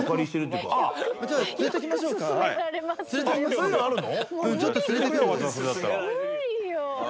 そういうのあるの？